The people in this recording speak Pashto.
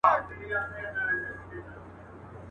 اور د میني بل نه وي بورا نه وي.